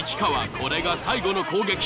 これが最後の攻撃。